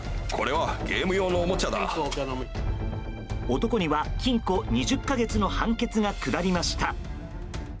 男には禁錮２０か月の判決が下りました。